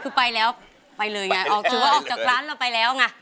คือไปแล้วไปเลยไงออกจากร้านเราไปแล้วไง